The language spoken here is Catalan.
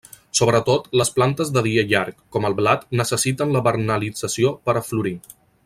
Sobretot les plantes de dia llarg, com el blat, necessiten la vernalització per a florir.